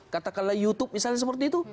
katakanlah youtube misalnya seperti itu